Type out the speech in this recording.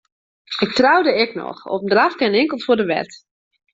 Ik troude ek noch, op in drafke en inkeld foar de wet.